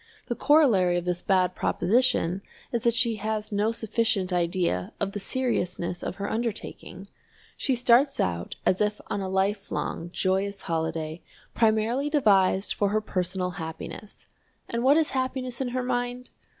The corollary of this bad proposition is that she has no sufficient idea of the seriousness of her undertaking. She starts out as if on a lifelong joyous holiday, primarily devised for her personal happiness. And what is happiness in her mind?